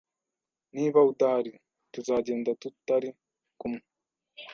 Niba udahari , tuzagenda tutari kumwe.